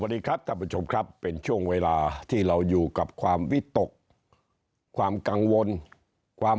สวัสดีครับท่านผู้ชมครับเป็นช่วงเวลาที่เราอยู่กับความวิตกความกังวลความ